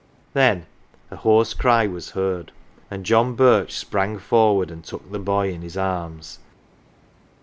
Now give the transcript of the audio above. Then a hoarse cry was heard, and John Birch sprang forward and took the boy in his arms.